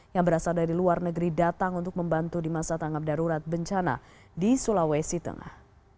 yang berasal dari luar negeri datang untuk membantu di masa tanggap darurat bencana di sulawesi tengah